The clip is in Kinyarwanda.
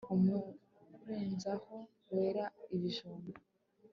umurenzaho (umurenzo) wera ibijumba